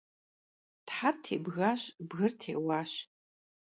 Ther têbgaş, bgır têuaş.